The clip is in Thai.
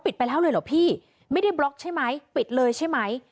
ไปแล้วเลยเหรอพี่ไม่ได้บล็อกใช่ไหมปิดเลยใช่ไหม